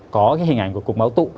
có cái hình ảnh của cục máu tụ